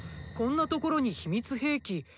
こんなところに秘密兵器